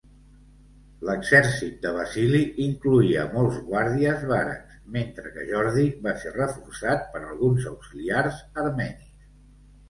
L'exèrcit de Basili incloïa molts guàrdies varegs mentre que Jordi va ser reforçat per alguns auxiliars armenis.